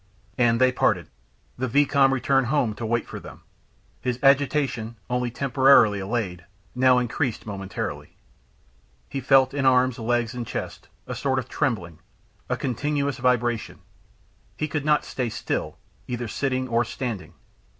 And they parted. The vicomte returned home to, wait for them. His agitation, only temporarily allayed, now increased momentarily. He felt, in arms, legs and chest, a sort of trembling a continuous vibration; he could not stay still, either sitting or standing.